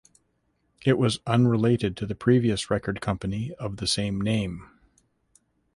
It was unrelated to the previous record company of the same name.